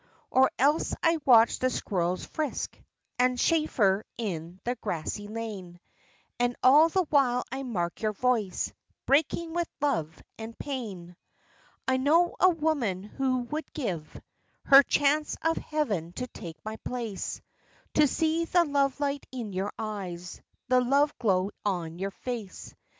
Or else I watch the squirrels frisk And chaffer in the grassy lane; And all the while I mark your voice Breaking with love and pain. I know a woman who would give Her chance of heaven to take my place; To see the love light in your eyes, The love glow on your face!